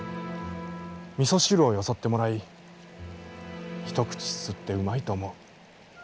味噌汁をよそってもらい一口すすってうまいと思う。